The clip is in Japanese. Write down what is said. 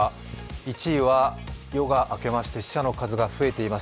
１位は夜が明けまして死者の数が増えています。